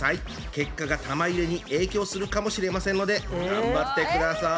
結果が玉入れに影響するかもしれませんので頑張ってください！